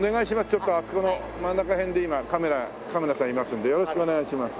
ちょっとあそこの真ん中辺で今カメラカメラさんいますんでよろしくお願いします。